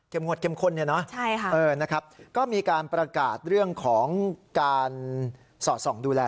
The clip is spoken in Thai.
งวดเข้มข้นเนี่ยเนอะนะครับก็มีการประกาศเรื่องของการสอดส่องดูแล